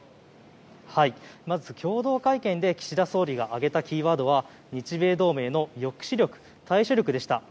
まず共同会見で岸田総理が挙げたキーワードは日米同盟の抑止力、対処力でした。